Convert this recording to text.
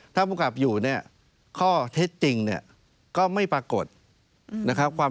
ถ้าภูมิกับอยู่เนี่ยข้อเท็จจริงเนี่ยก็ไม่ปรากฏนะครับ